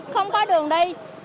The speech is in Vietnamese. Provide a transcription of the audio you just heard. không có đường đi